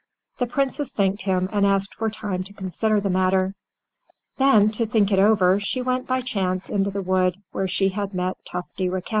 The Princess thanked him, and asked for time to consider the matter. Then, to think it over, she went by chance, into the wood where she had met Tufty Riquet.